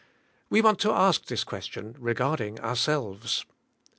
We want to ask this question regarding our selves.